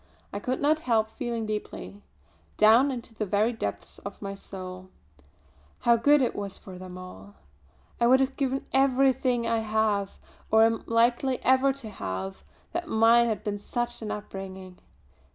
I could not help feeling deeply down into the very depths of my soul how good it was for them all. I would have given everything I have, or am ever likely to have, that mine had been such an upbringing.